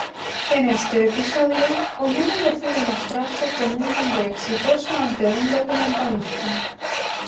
En este episodio, Homero decide mostrarse como un hombre exitoso ante un documentalista.